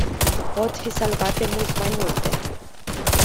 Pot fi salvate mult mai multe.